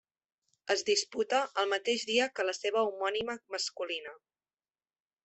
És disputa el mateix dia que la seva homònima masculina.